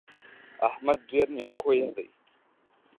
احمد ډېر نېک خویه دی.